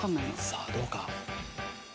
さあどうか？